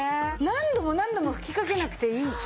何度も何度も吹きかけなくていい。